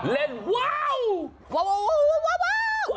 เล่นเว้าววววววววววววววว